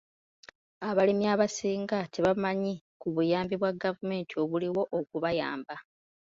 Abalimi abasinga tebamanyi ku buyambi bwa gavumenti obuliwo okubayamba.